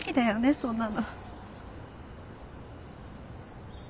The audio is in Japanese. そんなの。